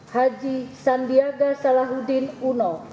haji sandiaga salahuddin uno